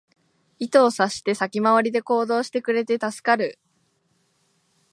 意図を察して先回りで行動してくれて助かる